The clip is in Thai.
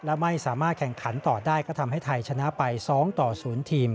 และไม่สามารถแข่งขันต่อได้ก็ทำให้ไทยชนะไป๒ต่อ๐ทีม